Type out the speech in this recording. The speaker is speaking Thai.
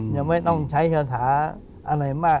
ยังไม่ต้องใช้คาถาอะไรมาก